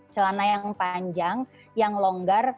celana yang panjang yang longgar